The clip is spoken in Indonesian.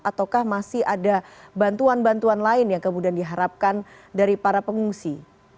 ataukah masih ada bantuan bantuan lain yang kemudian diharapkan dari para pengungsi